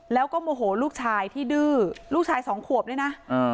แล้วก็โมโหลูกชายที่ดื้อลูกชายสองขวบด้วยนะ